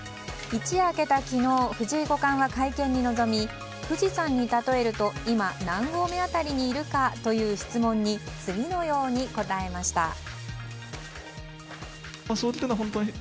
一夜明けた昨日藤井五冠は会見に臨み富士山に例えると今、何合目辺りにいるかという質問に次のように答えました。